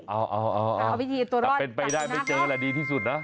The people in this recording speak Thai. เอาเอาวิธีตัวรอดเป็นไปได้ไปเจออะไรดีที่สุดนะ